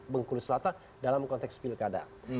bengkulu selatan dalam konteks pilkada